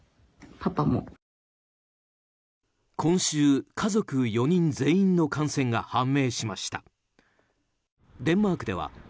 今週、家族４人全員の感染が判明しました。